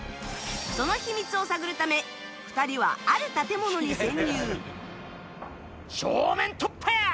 その秘密を探るため２人はある建物に潜入